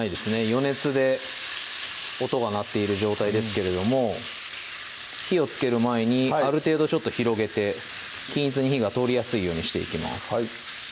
余熱で音が鳴っている状態ですけれども火をつける前にある程度ちょっと広げて均一に火が通りやすいようにしていきます